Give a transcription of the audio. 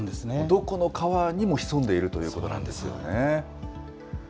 どこの川にも潜んでいるということなんですよね。